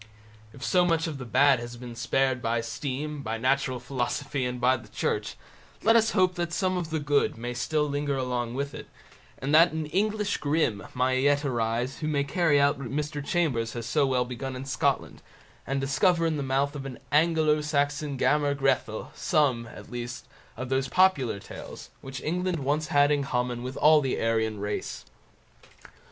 If so much of the bad has been spared by steam, by natural philosophy, and by the Church, let us hope that some of the good may still linger along with it, and that an English Grimm may yet arise who may carry out what Mr. Chambers has so well begun in Scotland, and discover in the mouth of an Anglo Saxon Gammer Grethel, some, at least, of those popular tales which England once had in common with all the Aryan race.